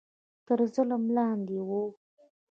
تر ظلم لاندې وو